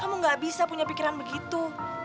kamu gak bisa punya pikiran begitu